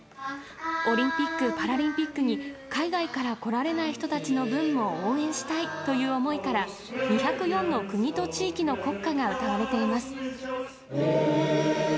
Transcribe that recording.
オリンピック・パラリンピックに海外から来られない人たちの分も応援したいという思いから２０４の国と地域の国歌が歌われています。